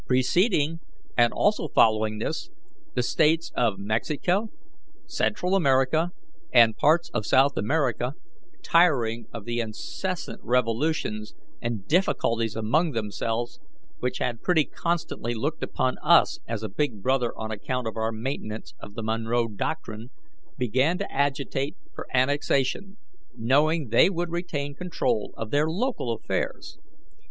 Preceding and also following this, the States of Mexico, Central America, and parts of South America, tiring of the incessant revolutions and difficulties among themselves, which had pretty constantly looked upon us as a big brother on account of our maintenance of the Monroe doctrine, began to agitate for annexation, knowing they would retain control of their local affairs.